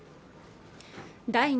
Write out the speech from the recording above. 第２